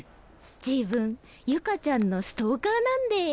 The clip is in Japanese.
自分ユカちゃんのストーカーなんで。